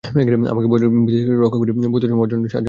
আমাকে ভয়ভীতি থেকে রক্ষাকারী বস্তুসমূহ অর্জনে সাহায্য কর!